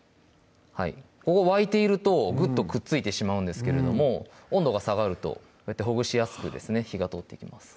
ここ沸いているとグッとくっついてしまうんですけれども温度が下がるとこうやってほぐしやすくですね火が通っていきます